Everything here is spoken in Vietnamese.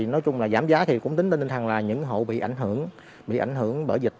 nói chung là giảm giá thì cũng tính tinh thần là những hộ bị ảnh hưởng bởi dịch